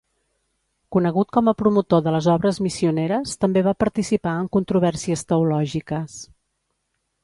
Conegut com a promotor de les obres missioneres, també va participar en controvèrsies teològiques.